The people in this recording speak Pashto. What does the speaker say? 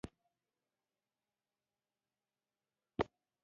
افغانستان د د بولان پټي له پلوه متنوع دی.